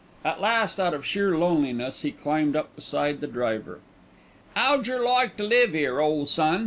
At last out of sheer loneliness he climbed up beside the driver. "'Owd jer like to live 'ere, ole son?"